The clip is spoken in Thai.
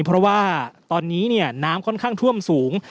เพราะว่าตอนนี้น้ำค่อนข้างท่วมสูง